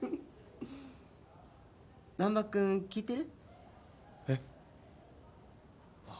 難破君聞いてる？えっ？ああ。